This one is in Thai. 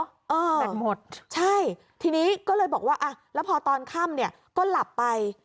แบตหมดใช่ทีนี้ก็เลยบอกว่าอ่ะแล้วพอตอนค่ำเนี่ยก็หลับไป